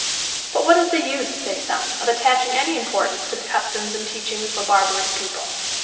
But what is the use, say some, of attaching any importance to the customs and teachings of a barbarous people?